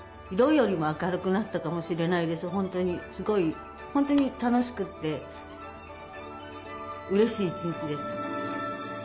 本当にすごい本当に楽しくてうれしい一日です。